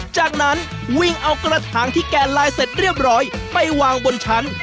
จากนั้นวิ่งเอากระถางที่แกะลายเสร็จเรียบร้อยไปวางบนชั้น